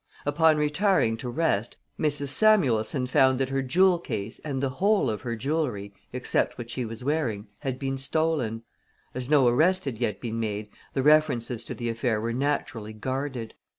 Upon retiring to rest Mrs. Samuelson found that her jewel case and the whole of her jewelry, except what she was wearing, had been stolen. As no arrest had yet been made the references to the affair were naturally guarded.